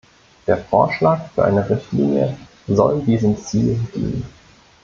Der Vorschlag für eine Richtlinie soll diesem Ziel dienen.